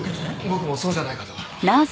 僕もそうじゃないかと。